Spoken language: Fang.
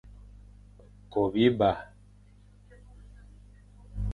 Ko biba.